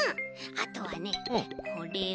あとはねこれを。